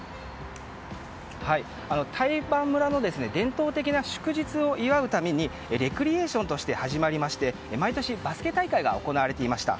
台盤村の伝統的な祝日を祝うためにレクリエーションとして始まりまして毎年バスケ大会が行われていました。